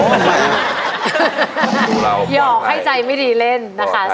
หยอกให้ใจไม่ดีเล่นนะคะ